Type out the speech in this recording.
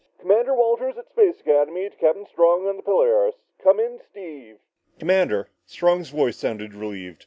"Commander Walters at Space Academy to Captain Strong on the Polaris. Come in, Steve!" "Commander!" Strong's voice sounded relieved.